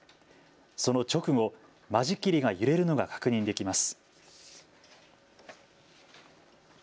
その直後、間仕切りが揺れるのが確認できます。